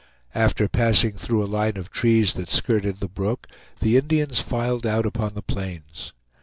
After passing through a line of trees that skirted the brook, the Indians filed out upon the plains.